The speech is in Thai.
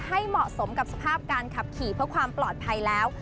ให้เหมาะสมกับสภาพการขับขี่เพื่อความปลอดภัยแล้ว